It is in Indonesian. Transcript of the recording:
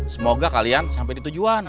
semoga kalian sampai di tujuan